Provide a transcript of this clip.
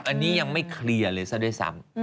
อันนี้ยังไม่เคลียร์เลยซะด้วยซ้ำ